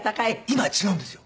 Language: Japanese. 今は違うんですよ。